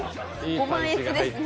ご満悦ですね。